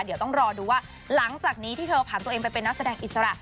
เดี๋ยวต้องรอดูว่าหลังจากนี้ที่เธอผ่านตัวเองไปเป็นนักแสดงอิสระ